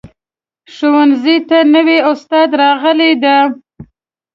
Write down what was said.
ښوونځي ته نوي استاد راغلی ده